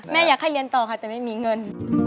อยากให้เรียนต่อค่ะแต่ไม่มีเงิน